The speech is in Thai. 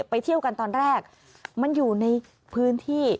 ไปเที่ยวกันตอนแรกมันอยู่ในพื้นที่